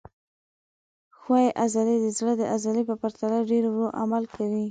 ښویې عضلې د زړه د عضلې په پرتله ډېر ورو عمل کوي.